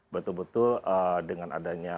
betul betul dengan adanya